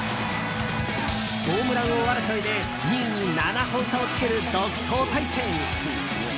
ホームラン王争いで２位に７本差をつける独走体制に！